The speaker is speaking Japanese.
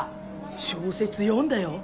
小説読んだよ。